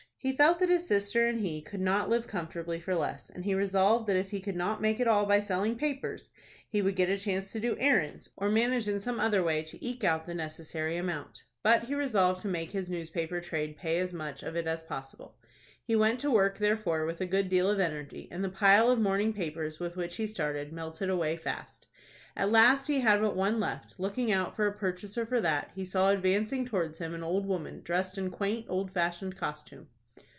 He felt that his sister and he could not live comfortably for less, and he resolved that if he could not make it all by selling papers, he would get a chance to do errands, or manage in some other way to eke out the necessary amount. But he resolved to make his newspaper trade pay as much of it as possible. He went to work, therefore, with a good deal of energy, and the pile of morning papers, with which he started, melted away fast. At last he had but one left. Looking out for a purchaser for that, he saw advancing towards him an old woman, dressed in quaint, old fashioned costume.